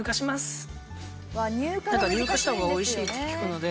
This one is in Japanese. なんか乳化した方が美味しいって聞くので。